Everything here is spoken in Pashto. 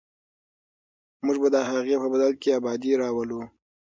موږ به د هغې په بدل کې ابادي راولو.